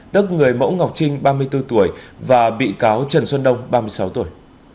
tức người mẫu ngọc trinh ba mươi bốn tuổi và bị cáo trần xuân đông ba mươi sáu tuổi